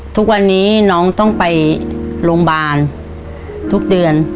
ทุกวันนี้น้องต้องไปโรงพยาบาลทุกเดือน